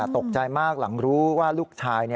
ตกใจมากหลังรู้ว่าลูกชาย